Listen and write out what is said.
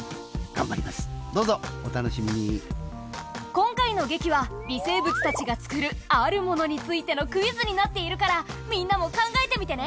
今回の劇は微生物たちが作るあるものについてのクイズになっているからみんなも考えてみてね。